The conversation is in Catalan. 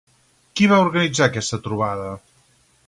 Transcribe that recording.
Qui va organitzar aquesta trobada?